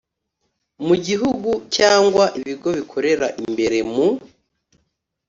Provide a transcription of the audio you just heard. Mu gihugu cyangwa ibigo bikorera imbere mu